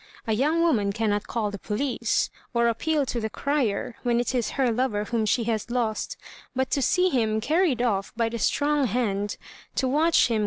A young woman cannot call the police, or appeal to the crier, when it is her lover whom she has lost ; but to see him carried oflf bj the strong hand — to watch him